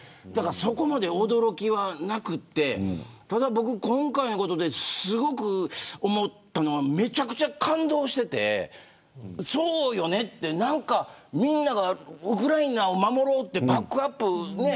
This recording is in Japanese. だから、そこまで驚きはなくてただ、僕今回のことですごく思ったのはめちゃくちゃ感動しててそうよねって、みんながウクライナを守ろうってバックアップ。